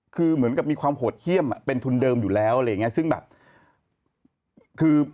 คือเหมือนกับมีความโหดเยี่ยมเป็นทุนเดิมอยู่แล้วอะไรอย่างเงี้ยซึ่งแบบคือ